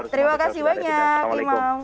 terima kasih banyak imam